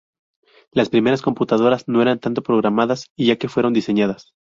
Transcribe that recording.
Las primeras computadoras no eran tanto "programadas" ya que fueron "diseñadas".